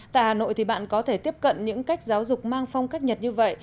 tại hà nội thì bạn có thể tiếp cận những cách giáo dục mang phong cách nhật như vậy